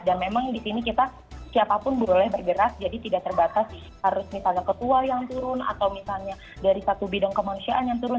dan memang disini kita siapapun boleh bergerak jadi tidak terbatas harus misalnya ketua yang turun atau misalnya dari satu bidang kemanusiaan yang turun